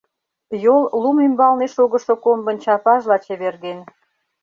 Йол лум ӱмбалне шогышо комбын чапажла чеверген.